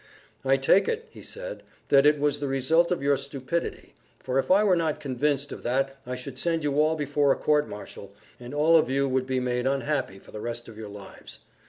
"I take it," he said, "that it was the result of your stupidity. For if I were not convinced of that I should send you all before a court martial, and all of you would be made unhappy for the rest of your lives.